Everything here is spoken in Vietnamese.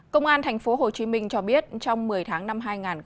công an tp hcm cho biết trong một mươi tháng năm hai nghìn hai mươi